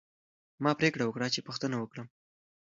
ما پریکړه وکړه چې پوښتنه وکړم.